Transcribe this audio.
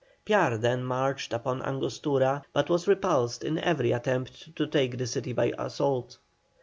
Piar then marched upon Angostura, but was repulsed in every attempt to take the city by assault.